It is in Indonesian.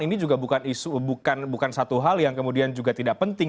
ini juga bukan satu hal yang kemudian juga tidak penting